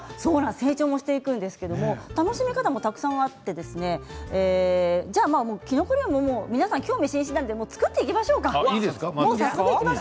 成長するんですが楽しみ方もたくさんあってじゃあ皆さん興味津々なので作っていきましょうか。